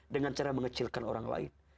dengan cara mengecilkan orang lain